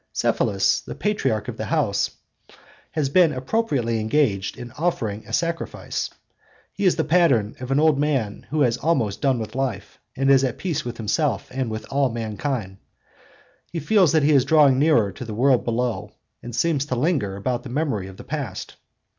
Cephalus, the patriarch of the house, has been appropriately engaged in offering a sacrifice. He is the pattern of an old man who has almost done with life, and is at peace with himself and with all mankind. He feels that he is drawing nearer to the world below, and seems to linger around the memory of the past.